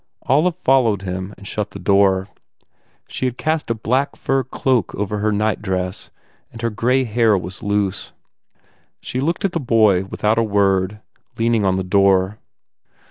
Olive followed him and shut the door. She had cast a black fur cloak over her night dress and her grey hair was loose. She looked at the boy without a word, leaning on the door.